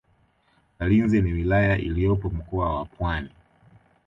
chalinze ni wilaya iliyopo mkoa wa pwani